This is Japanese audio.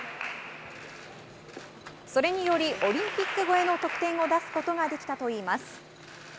それによりオリンピック超えの得点を出すことができたといいます。